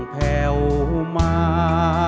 แผ่วมา